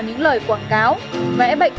những lời quảng cáo vẽ bệnh